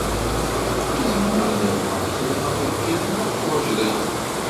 Zemreɣ ad rnuɣ ad xedmeɣ deg iḍ ma teḥwaǧeḍ-iyi.